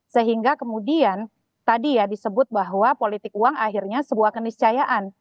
sehingga kemudian tadi ya disebut bahwa politik uang akhirnya sebuah keniscayaan